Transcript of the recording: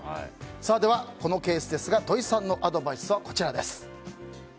このケース、土井さんのアドバイスはこちらです。